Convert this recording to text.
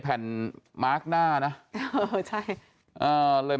หันควับเลย